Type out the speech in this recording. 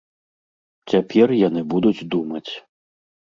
Цяпер яны будуць думаць.